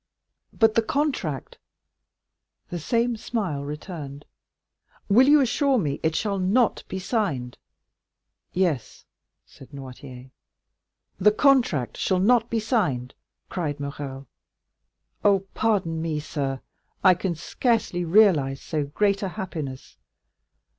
"But the contract?" The same smile returned. "Will you assure me it shall not be signed?" "Yes," said Noirtier. "The contract shall not be signed!" cried Morrel. "Oh, pardon me, sir; I can scarcely realize so great a happiness.